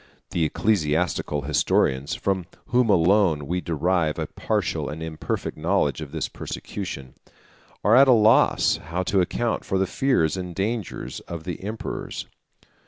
The ecclesiastical historians, from whom alone we derive a partial and imperfect knowledge of this persecution, are at a loss how to account for the fears and dangers of the emperors.